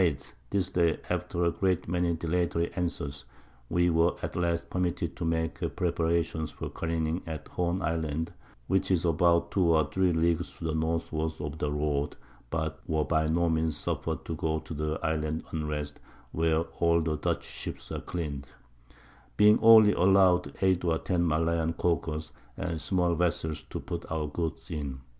_ This Day, after a great many dilatory Answers, we were at last permitted to make Preparations for careening at Horn Island, which is about 2 or 3 Leagues to the Northward of the Road, (but were by no Means suffer'd to go to the Island Unrest, where all the Dutch Ships are clean'd) being only allow'd 8 or 10 Malayan Caulkers and small Vessels to put our Goods in.